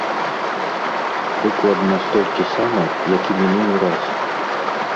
Прыкладна столькі сама, як і мінулы раз.